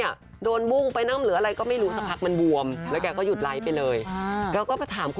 ยังไลก์สดคุยกับแฟนเลยบอกว่า